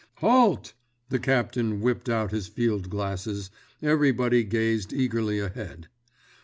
Halt! The captain whipped out his field glasses—everybody gazed eagerly ahead.